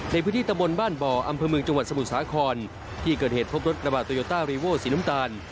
ในพื้นที่ตะบนบ้านบ่ออำเภอเมืองจังหวัดสมุทรสาครที่เกิดเหตุพบรถกระบาดโตโยต้ารีโว้สีน้ำตาล